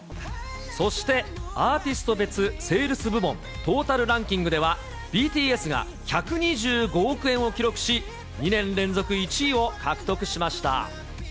そして、アーティスト別セールス部門トータルランキングでは、ＢＴＳが１２５億円を記録し、２年連続１位を獲得しました。